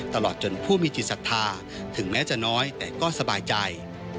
ตลอดจนผู้มีจิตศรัทธาถึงแม้จะน้อยแต่ก็สบายใจ